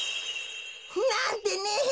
なんてね！